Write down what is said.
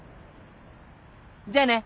じゃあね。